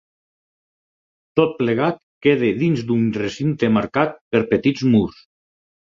Tot plegat queda dins d'un recinte marcat per petits murs.